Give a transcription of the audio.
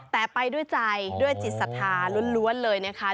แต่ไปด้วยใจด้วยจิตศรัทธาล้วนเลยนะคะ